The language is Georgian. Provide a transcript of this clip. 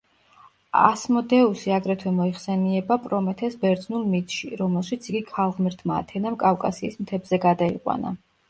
ასმოდეუსი აგრეთვე მოიხსენიება პრომეთეს ბერძნულ მითში, რომელშიც იგი ქალღმერთმა ათენამ კავკასიის მთებზე გადაიყვანა.